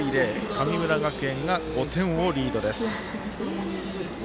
神村学園が５点リードです。